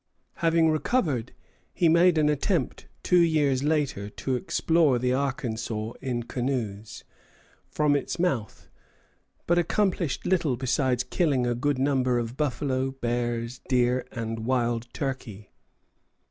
Having recovered, he made an attempt, two years later, to explore the Arkansas in canoes, from its mouth, but accomplished little besides killing a good number of buffalo, bears, deer, and wild turkeys.